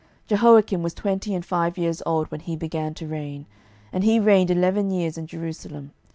12:023:036 Jehoiakim was twenty and five years old when he began to reign; and he reigned eleven years in Jerusalem.